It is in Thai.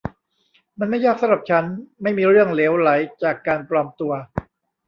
มันไม่ยากสำหรับฉันไม่มีเรื่องเหลวไหลจากการปลอมตัว